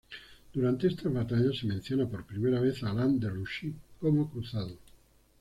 Durante estas batallas, se menciona por primera vez a Alain de Roucy como cruzado.